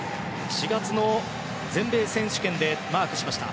４月の全米選手権でマークしました。